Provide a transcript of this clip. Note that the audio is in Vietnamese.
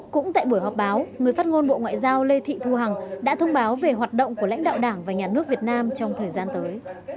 cũng tại buổi họp báo người phát ngôn bộ ngoại giao lê thị thu hằng đã thông báo về hoạt động của lãnh đạo đảng và nhà nước việt nam trong thời gian tới